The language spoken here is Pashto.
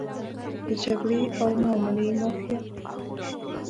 د جګړې او معاملې مافیا.